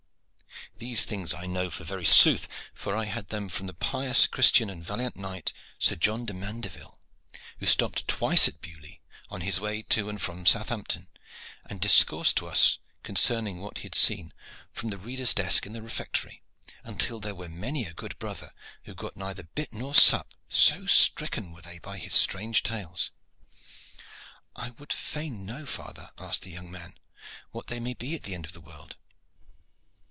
These things I know for very sooth, for I had them from that pious Christian and valiant knight, Sir John de Mandeville, who stopped twice at Beaulieu on his way to and from Southampton, and discoursed to us concerning what he had seen from the reader's desk in the refectory, until there was many a good brother who got neither bit nor sup, so stricken were they by his strange tales." "I would fain know, father," asked the young man, "what there may be at the end of the world?"